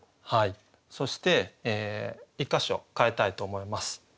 そして１か所変えたいと思います。